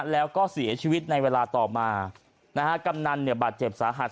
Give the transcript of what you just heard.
แล้วก็เสียชีวิตในเวลาต่อมากำนันบาดเจ็บสาหัส